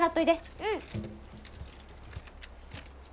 うん。